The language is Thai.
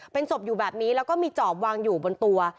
เป็นศพอยู่แบบนี้แล้วก็มีจอบวางอยู่บนตัว